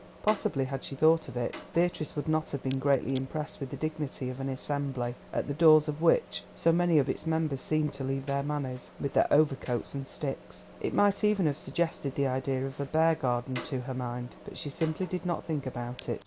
Possibly had she thought of it, Beatrice would not have been greatly impressed with the dignity of an assembly, at the doors of which so many of its members seemed to leave their manners, with their overcoats and sticks; it might even have suggested the idea of a bear garden to her mind. But she simply did not think about it.